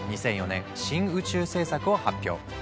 ２００４年「新宇宙政策」を発表。